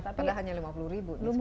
padahal hanya lima puluh ribu